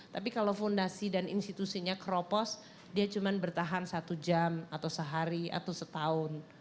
tapi kalau fondasi dan institusinya keropos dia cuma bertahan satu jam atau sehari atau setahun